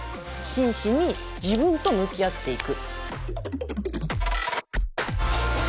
真摯に自分と向き合っていく。